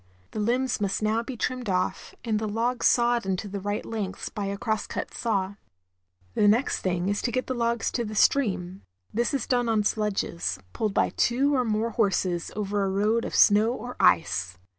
The limbs must now be trimmed off, and the logs sawed into the right lengths by a cross cut saw. 1 88 THE GREAT LAKES. The next thing is to get the logs to the stream. This is done on sledges, pulled by two or more horses over a road of snow or ice.